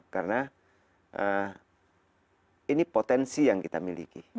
karena ini potensi yang kita miliki